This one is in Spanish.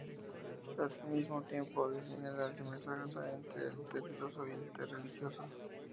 Al mismo tiempo, defiende la semejanza entre el T. Filosófico y el T. Religioso.